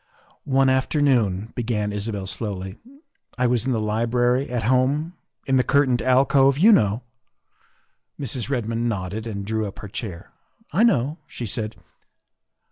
'' One afternoon, '' began Isabel slowly, '' I was in the library at home in the curtained alcove, you know." Mrs. Redmond nodded and drew up her chair. " I know," she said.